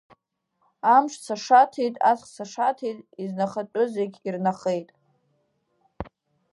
Амш сашаҭеит, аҵх сашаҭеит, изнахатәыз зегьы ирнахеит.